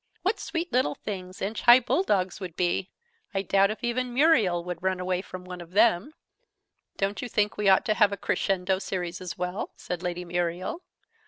What sweet little things the inch high bull dogs would be! I doubt if even Muriel would run away from one of them!" "Don't you think we ought to have a crescendo series, as well?" said Lady Muriel.